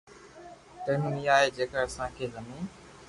تعليم اها آهي جيڪا اسان کي زمين